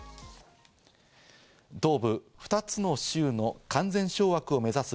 東部２つの州の完全掌握を目指す